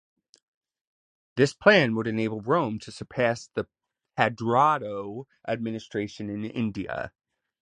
This plan would enable Rome to surpass the "Padroado" administration in India.